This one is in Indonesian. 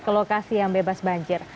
ke lokasi yang bebas banjir